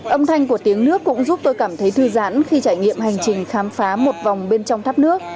âm thanh của tiếng nước cũng giúp tôi cảm thấy thư giãn khi trải nghiệm hành trình khám phá một vòng bên trong tháp nước